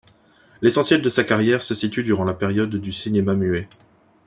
L'essentiel de sa carrière se situe durant la période du cinéma muet.